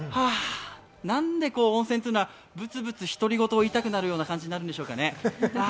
なんで温泉というのは、ぶつぶつ独り言を言いたくなるような感じなんでしょうかね。